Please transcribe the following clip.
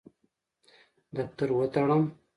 دفتر وتړم.